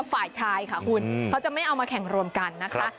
ฝ่ายชายค่ะคุณเขาจะไม่เอามาแข่งรวมกันนะคะ